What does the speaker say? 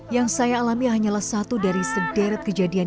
yang saya alami hanyalah satu dari sederet kejadian